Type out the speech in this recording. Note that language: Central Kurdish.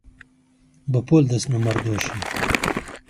بەپۆل دەچنە مەڕدۆشین